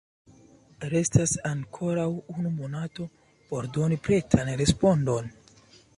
Restas ankoraŭ unu monato por doni pretan respondon.